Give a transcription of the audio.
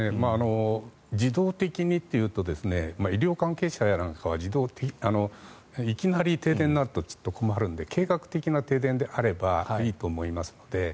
自動的にというと医療関係者やなんかはいきなり停電になると困るので計画的な停電であればいいと思いますので。